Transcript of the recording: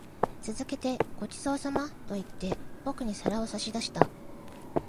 続けて、ご馳走様と言って、僕に皿を差し出した。